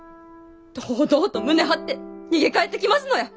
堂々と胸張って逃げ帰ってきますのや。